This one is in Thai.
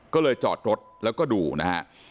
ก็เลยจอดรถแล้วก็ดูนะฮะ